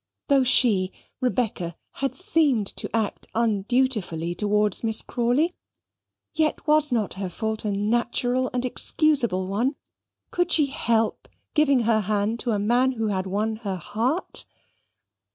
though she, Rebecca, had seemed to act undutifully towards Miss Crawley; yet was not her fault a natural and excusable one? Could she help giving her hand to the man who had won her heart?